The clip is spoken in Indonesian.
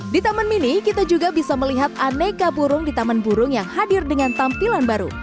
di taman mini kita juga bisa melihat aneka burung di taman burung yang hadir dengan tampilan baru